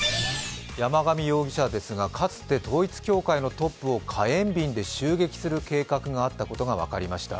山上容疑者ですがかつて、統一教会のトップを火炎瓶で襲撃する計画があったことが分かりました。